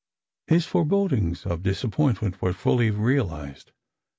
His forebodings of disappointment were fully realised.